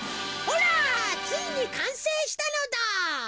ほらついにかんせいしたのだ！